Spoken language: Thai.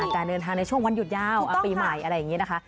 การเดินทางในช่วงวันหยุดยาวปีใหม่อะไรอย่างนี้นะคะ